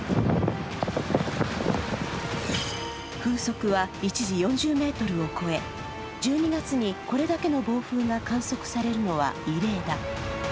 風速は一時４０メートルを超え、１２月にこれだけの暴風が観測されるのは異例だ。